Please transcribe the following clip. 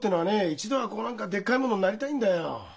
一度はこう何かでっかいものになりたいんだよ。